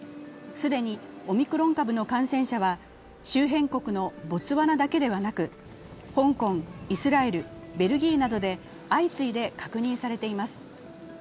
既にオミクロン株の感染者は周辺国のボツワナだけではなく香港、イスラエル、ベルギーなどで相次いで確認されています。